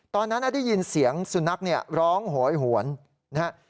ตอนนั้นได้ยินเสียงสุนัขเนี่ยร้องโหยหวนนะครับ